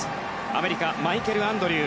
アメリカマイケル・アンドリュー。